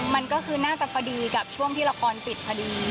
มันก็คือน่าจะพอดีกับช่วงที่ละครปิดพอดี